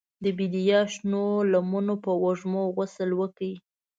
د بیدیا شنو لمنو په وږمو غسل وکړ